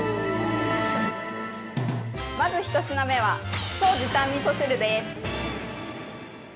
◆まず１品目は、超時短みそ汁です。